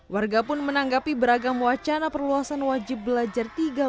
warga pun menanggapi beragam wacana perluasan wajib belajar tiga belas tahun ini